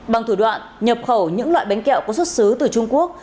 bằng thủ đoạn nhập khẩu những loại bánh kẹo có xuất xứ từ trung quốc